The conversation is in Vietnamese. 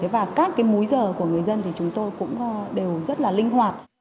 và các múi giờ của người dân chúng tôi cũng đều rất linh hoạt